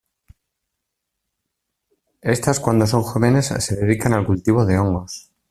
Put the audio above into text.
Estas cuando son jóvenes se dedican al cultivo de hongos.